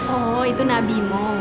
oh itu nabi mo